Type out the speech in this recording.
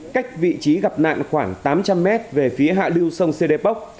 cách vị trí gặp nạn khoảng tám trăm linh mét về phía hạ lưu sông sê đê pốc